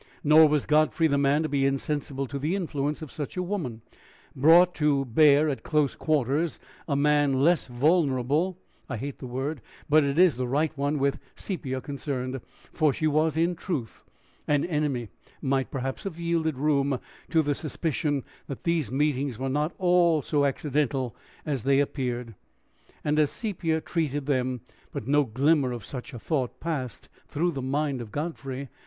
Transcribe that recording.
Nor was Godfrey the man to be insensible to the influence of such a woman, brought to bear at close quarters. A man less vulnerable I hate the word, but it is the right one with Sepia concerned, for she was, in truth, an enemy might perhaps have yielded room to the suspicion that these meetings were not all so accidental as they appeared, and as Sepia treated them; but no glimmer of such a thought passed through the mind of Godfrey.